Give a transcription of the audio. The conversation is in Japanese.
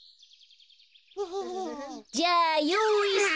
じゃあよういスタ。